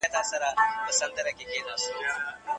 په سمه لاره کي پل مه ورانوی